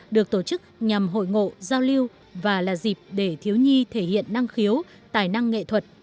được tổ chức nhằm hội ngộ giao lưu và là dịp để thiếu nhi thể hiện năng khiếu tài năng nghệ thuật